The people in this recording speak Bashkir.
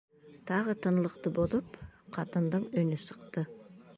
Тағы тынлыҡты боҙоп ҡатындың өнө сыҡты: